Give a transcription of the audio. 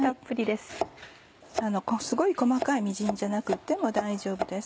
すごい細かいみじんじゃなくても大丈夫です。